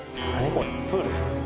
これプール？